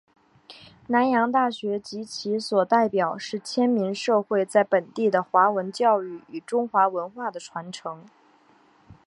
南洋大学及其所代表是迁民社会在本地的华文教育与中华文化的传承。